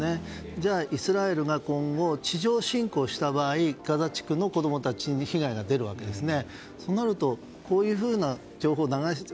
じゃあ、イスラエルが今後地上侵攻した場合ガザ地区の子供たちに被害が出るわけですね。